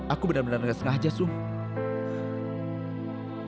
aku benar benar tidak sengaja sum